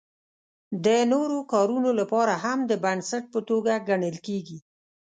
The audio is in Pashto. د نورو کارونو لپاره هم د بنسټ په توګه ګڼل کیږي.